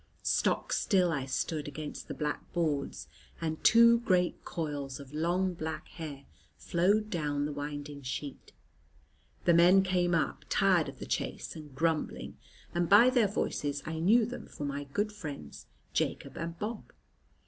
Stock still I stood against the black boards, and two great coils of long black hair flowed down the winding sheet. The men came up, tired of the chase, and grumbling; and by their voices I knew them for my good friends Jacob and Bob.